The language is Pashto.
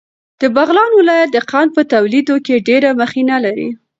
د بغلان ولایت د قند په تولید کې ډېره مخینه لري.